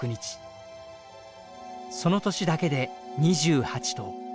その年だけで２８頭